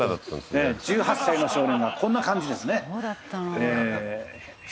１８歳の少年がこんな感じですね。